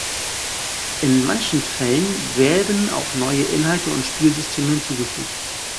In manchen Fällen werden auch neue Inhalte und Spielsysteme hinzugefügt.